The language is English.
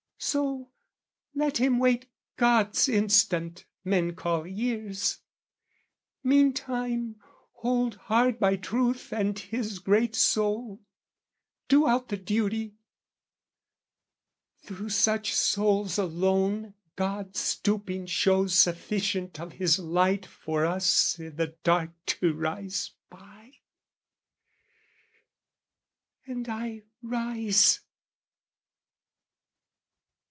So, let him wait God's instant men call years; Meantime hold hard by truth and his great soul, Do out the duty! Through such souls alone God stooping shows sufficient of His light For us i' the dark to rise by. And I rise.